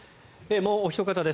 もうおひと方です。